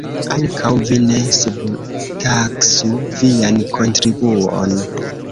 Ankaŭ vi ne subtaksu vian kontribuon.